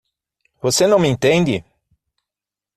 Você não me entende?